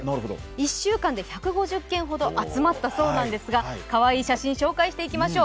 １週間で１５０件ほど集まったそうなんですが、かわいい写真を紹介していきましょう。